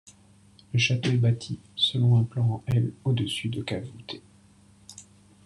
Le château est bâti selon un plan en L, au-dessus de caves voûtées.